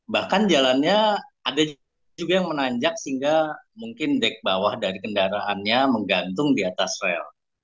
bahkan jalannya ada juga yang menanjak sehingga mungkin dek bawah dari kendaraannya menggantung di atas rel